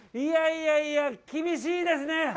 いやいやいや、厳しいですね。